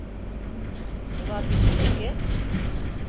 Улар бит минеке!